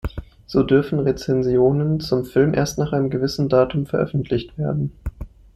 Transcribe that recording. So dürfen Rezensionen zum Film erst nach einem gewissen Datum veröffentlicht werden.